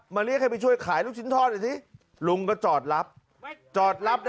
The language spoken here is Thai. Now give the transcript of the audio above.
มาเรียกเขาไปช่วยขายลูกชิ้นทอดเดี๋ยวที่ที่ลุงเฉยจอดรับจอดรับนะ